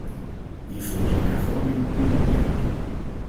Hiervoor zijn hervormingen onontbeerlijk.